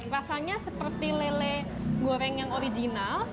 rasanya seperti lele goreng yang original